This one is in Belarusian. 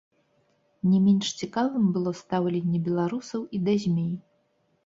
Не менш цікавым было стаўленне беларусаў і да змей.